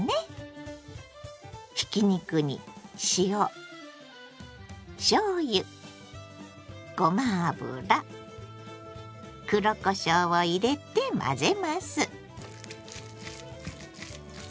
ひき肉に塩しょうゆごま油黒こしょうを入れて混ぜます。